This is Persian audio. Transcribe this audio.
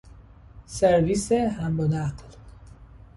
سرویس حمل ونقل